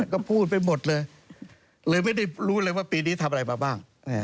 ก็พูดไปหมดเลยเลยไม่ได้รู้เลยว่าปีนี้ทำอะไรมาบ้าง